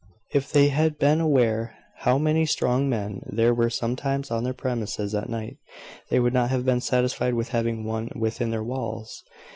If they had been aware how many strong men there were sometimes on their premises at night, they would not have been satisfied with having one within their walls.